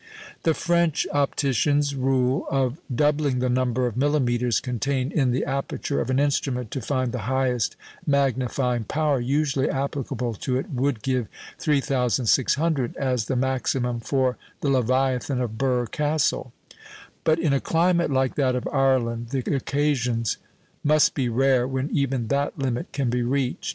The French opticians' rule of doubling the number of millimetres contained in the aperture of an instrument to find the highest magnifying power usually applicable to it, would give 3,600 as the maximum for the leviathan of Birr Castle; but in a climate like that of Ireland the occasions must be rare when even that limit can be reached.